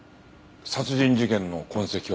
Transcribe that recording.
殺人事件の痕跡はなしか？